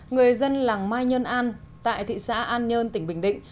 người dân làng mai nhân an tại thị xã an nhân tỉnh bình định